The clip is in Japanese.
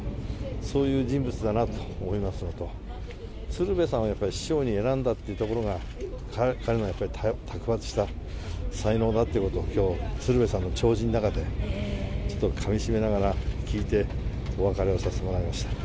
そういう人物だなと思いますのと、鶴瓶さんをやっぱり師匠に選んだというところが、彼のやっぱり卓抜した才能だということをきょう、鶴瓶さんの弔辞の中で、ちょっとかみしめながら聞いて、お別れをさせてもらいま